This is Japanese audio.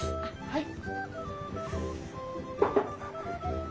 はい。